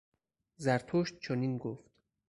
زرتشت چنین گفت